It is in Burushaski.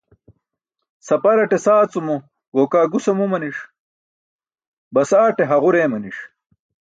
Saparate saacumo gokaa gus amumaniṣ, basaate haġur eemaniṣ.